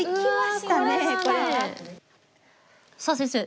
さあ先生。